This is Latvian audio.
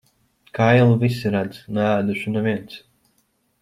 Kailu visi redz, neēdušu neviens.